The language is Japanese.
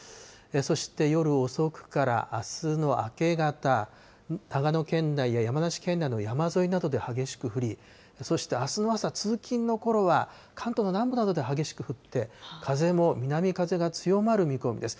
そして夜遅くからあすの明け方、長野県内や山梨県内の山沿いなどで激しく降り、あすの朝、通勤のころは関東の南部などで激しく降って、風も南風が強まる見込みです。